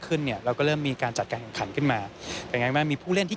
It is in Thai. ซึ่งในอนาคตทางการินาประเทศไทยหวังว่าประเทศไทย